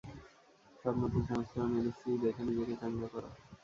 সব নতুন সংস্করণ এনেছি, দেখে নিজেকে চাঙ্গা করো।